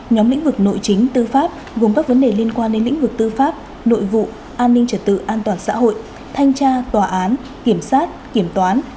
nhóm lĩnh vực nội chính tư pháp gồm các vấn đề liên quan đến lĩnh vực tư pháp nội vụ an ninh trật tự an toàn xã hội thanh tra tòa án kiểm soát kiểm toán